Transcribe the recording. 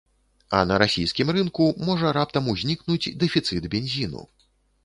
А на расійскім рынку можа раптам узнікнуць дэфіцыт бензіну.